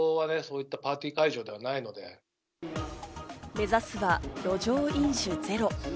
目指すは路上飲酒ゼロ。